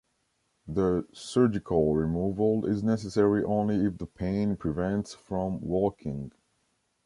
The surgical removal is necessary only if the pain prevents from walking.